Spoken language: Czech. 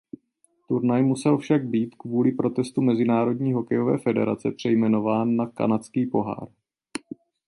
Turnaj musel však být kvůli protestu Mezinárodní hokejové federace přejmenován na "Kanadský pohár".